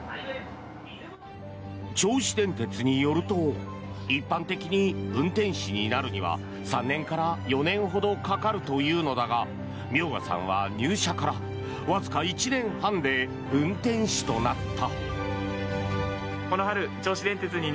銚子電鉄によると一般的に運転士になるには３年から４年ほどかかるというのだが明賀さんは入社からわずか１年半で運転士となった。